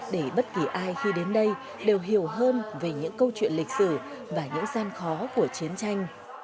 để bất kỳ ai khi đến đây đều hiểu hơn về những câu chuyện lịch sử và những gian khó của chiến tranh